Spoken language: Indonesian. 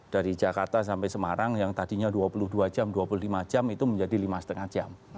dari jakarta sampai semarang yang tadinya dua puluh dua jam dua puluh lima jam itu menjadi lima lima jam